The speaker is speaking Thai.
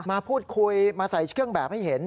มาพูดคุยมาใส่เครื่องแบบให้เห็น